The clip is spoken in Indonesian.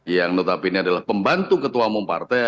yang notabene adalah pembantu ketua umum partai